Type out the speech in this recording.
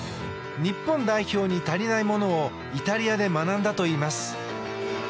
日本代表に足りないものをイタリアで学んだといいます。